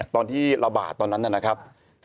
ตอนที่ระบาดตอนนั้นนะครับ